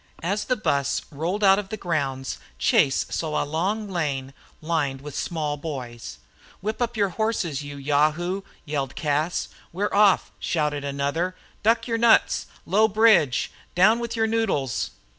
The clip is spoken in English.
As the bus rolled out of the grounds Chase saw a long lane lined with small boys. "Whip up your horses, you yayhoo!" yelled Cas. "We 're off!" shouted another. "Duck yer nuts! Low bridge! Down with yer noodles!"